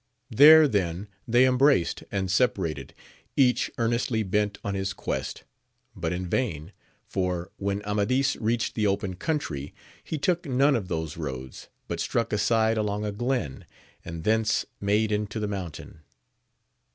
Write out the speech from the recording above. There then they em braced and separated, each earnestly hent on his quest, but in vain : for, when A madia reached the open country, he took none of those roads, bat stiuck aside along a glen, and thence made into the moan tain.